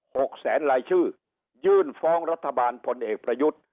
หกแสนรายชื่อยื่นฟ้องรัฐบาลพลเอกประยุทธ์